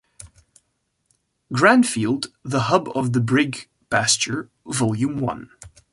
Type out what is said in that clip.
"Grandfield The Hub of the Big Pasture Volume One".